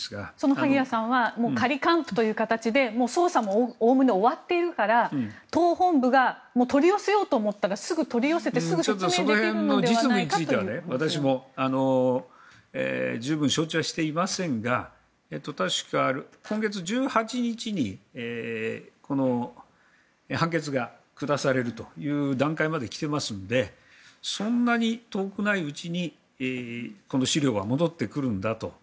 萩谷さんは仮還付という形で捜査もおおむね終わっているから党本部が取り寄せようと思ったらすぐに取り寄せてその実務については私もあまり承知はしておりませんが確か今月１８日に判決が下されるという段階まで来ていますのでそんなに遠くないうちにこの資料は戻ってくるんだと。